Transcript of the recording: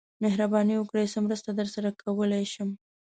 مهرباني وکړئ څه مرسته درسره کولای شم